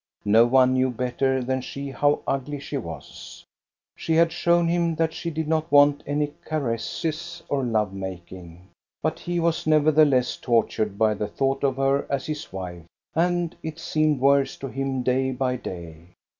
No one knew better than she how ugly she was. She had shown him that she did not want any caresses or love making, but he was nevertheless tortured by the thought of her as his wife, and it seemed worse to him day by day.